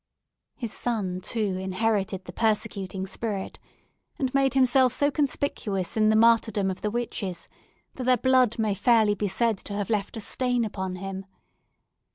His son, too, inherited the persecuting spirit, and made himself so conspicuous in the martyrdom of the witches, that their blood may fairly be said to have left a stain upon him.